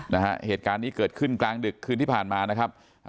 นะฮะเหตุการณ์นี้เกิดขึ้นกลางดึกคืนที่ผ่านมานะครับอ่า